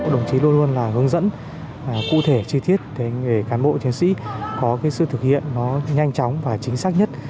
đồng chí luôn luôn là hướng dẫn cụ thể chi tiết để cán bộ chiến sĩ có sự thực hiện nhanh chóng và chính xác nhất